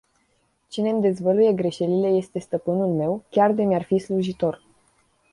Cine îmi dezvăluie greșelile este stăpânul meu, chiar de mi-ar fi slujitor.